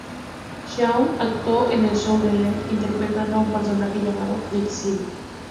Shannon actuó en el show de Leah interpretando a un personaje llamado Desiree.